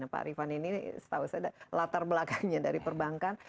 pak rifan ini setahu saya ada latar belakangnya dari perbankan